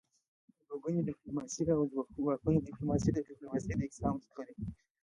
دوه ګوني ډيپلوماسي او څوګوني ډيپلوماسي د ډيپلوماسی د اقسامو څخه دي.